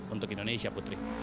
untuk indonesia putri